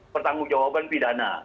pertanggung jawaban pidana